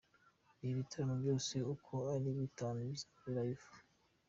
Ibi bitaramo byose uko ari bitanu bizaba ari Live.